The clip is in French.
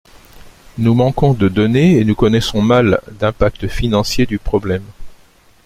Nous manquons de données et nous connaissons mal d’impact financier du problème.